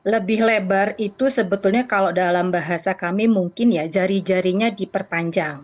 lebih lebar itu sebetulnya kalau dalam bahasa kami mungkin ya jari jarinya diperpanjang